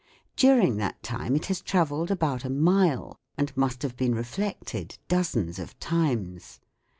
During that time it has travelled about a mile, and must have been reflected dozens of times.